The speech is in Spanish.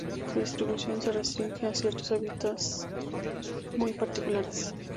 Su distribución se restringe a ciertos hábitats muy particulares.